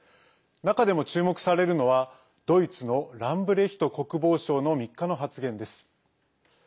中でも注目されるのはドイツのランブレヒト国防相の３日の発言です。